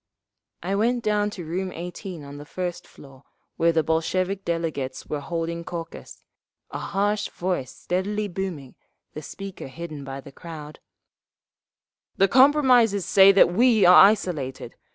I went down to room 18 on the first floor where the Bolshevik delegates were holding caucus, a harsh voice steadily booming, the speaker hidden by the crowd: "The compromisers say that we are isolated.